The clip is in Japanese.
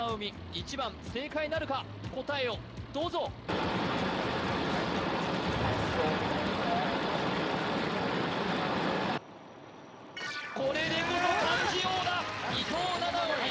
１番正解なるか答えをどうぞはいこれでこそ漢字王だ伊藤七海